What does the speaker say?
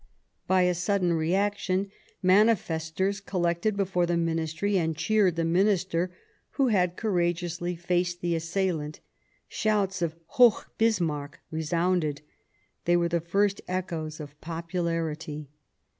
By a sudden reaction, manifestors collected before the Ministry and cheered the Minister, who had courageously faced the assailant ; shouts of " Hoch Bismarck !" resounded ; they were the first echoes of popularity.